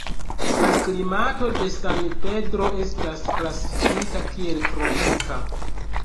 La klimato de San Pedro estas klasifikita kiel tropika.